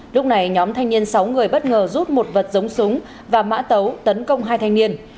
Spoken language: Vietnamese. lúc này nhóm thanh niên sáu người bất ngờ rút một vật giống súng và mã tấu tấn công hai thanh niên